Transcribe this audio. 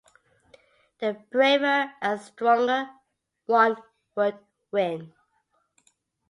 The braver and stronger one would win.